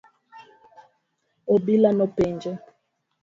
Obila nopenje.